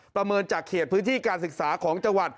ประเมินจากเขตพื้นที่การศึกษาของจังหวัด